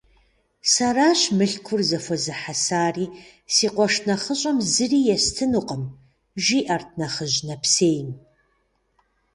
- Сэращ мылъкур зэхуэзыхьэсари, си къуэш нэхъыщӀэм зыри естынукъым, - жиӀэрт нэхъыжь нэпсейм.